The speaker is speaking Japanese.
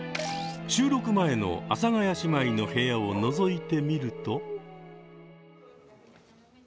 収録前の阿佐ヶ谷姉妹の部屋をのぞいてみると。